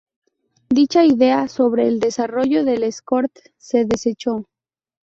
Dicha idea sobre el desarrollo del Escort se desechó.